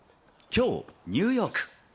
きょう、ニューヨーク。